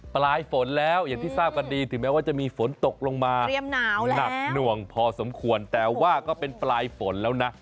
ปลายฝนแล้วอย่างที่ทราบกันดีถึงแม้ว่าจะมีฝนตกลงมาหนักหน่วงพอสมควรแต่ว่าก็เป็นปลายฝนแล้วนะ